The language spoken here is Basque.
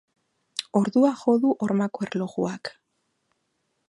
Ordua jo du hormako erlojuak.